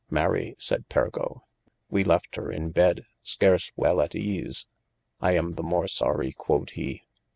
Mary sayd Pergo, we left hir in bed scarce well at ease. I am the more sorye quod he.